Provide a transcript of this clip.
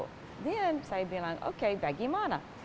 kemudian saya bilang oke bagaimana